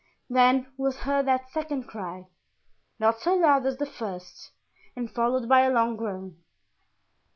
Then was heard that second cry, not so loud as the first and followed by a long groan.